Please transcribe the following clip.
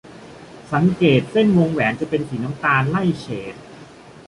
สังเกตเส้นวงแหวนจะเป็นสีน้ำตาลไล่เฉด